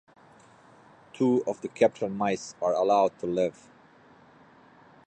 Two of the captured mice are allowed to live.